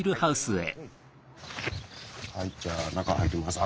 はいじゃあ中入って下さい。